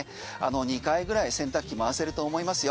２回ぐらい洗濯機回せると思いますよ。